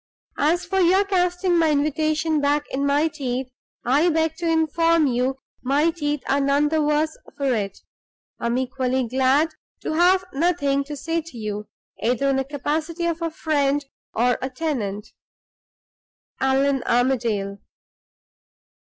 "As for your casting my invitation back in my teeth, I beg to inform you my teeth are none the worse for it. I am equally glad to have nothing to say to you, either in the capacity of a friend or a tenant. ALLAN ARMADALE."